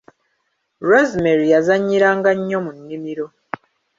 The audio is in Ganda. Rosemary yazannyiranga nnyo mu nnimiro.